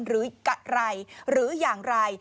หรืออะไรหรืออย่างไร